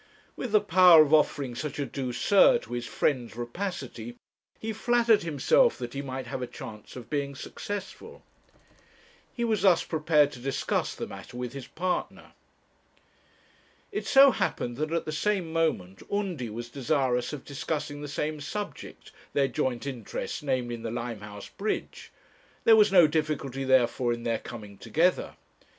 With the power of offering such a douceur to his friend's rapacity, he flattered himself that he might have a chance of being successful. He was thus prepared to discuss the matter with his partner. It so happened that at the same moment Undy was desirous of discussing the same subject, their joint interest, namely, in the Limehouse bridge; there was no difficulty therefore in their coming together.